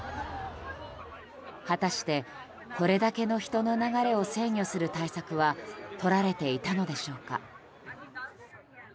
果たして、これだけの人の流れを制御する対策は取られていたのでしょうか。